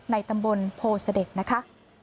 ในตำบลโพเสด็จนะคะ